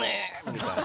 みたいな。